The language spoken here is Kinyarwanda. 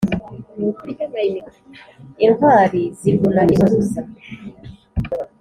Intwari zivuna impuruza